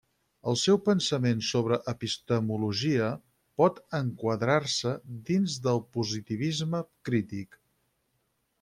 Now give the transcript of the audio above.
El seu pensament sobre epistemologia pot enquadrar-se dins del positivisme crític.